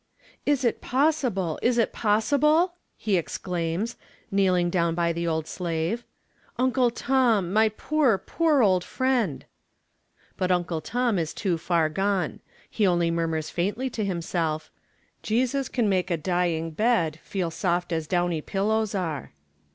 'Is it possible, is it possible?' he exclaims, kneeling down by the old slave. 'Uncle Tom, my poor, poor old friend!' But Uncle Tom is too far gone. He only murmurs faintly to himself: Jesus can make a dying bed Feel soft as downy pillows are.